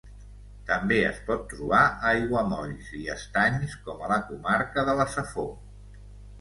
També es pot trobar a aiguamolls i estanys com a la comarca de la Safor.